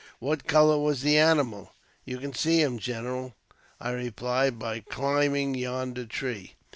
" What colour was the animal? "" You can see him, general," I replied, " by climbing yonder tree."